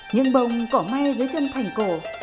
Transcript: nhưng bông cỏ may dưới chân thành cổ